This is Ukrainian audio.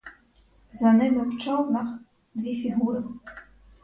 За ними в човнах — дві фігури.